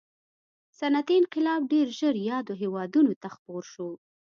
صنعتي انقلاب ډېر ژر یادو هېوادونو ته خپور شو.